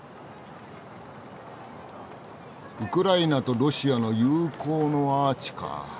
ウクライナとロシアの友好のアーチか。